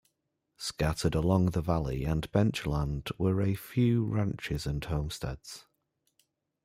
Scattered along the valley and benchland were a few ranches and homesteads.